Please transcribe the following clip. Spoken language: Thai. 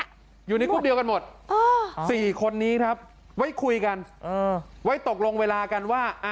อยู่ในกรุ๊ปเดียวกันหมดสี่คนนี้ครับไว้คุยกันไว้ตกลงเวลากันว่า